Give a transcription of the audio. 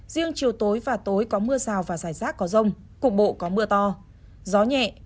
riêng chiều tối và tối có mưa rào và rải rác có rông cục bộ có mưa to gió nhẹ